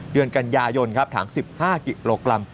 เดือนกันยายนครับถัง๑๕กิโลกรัม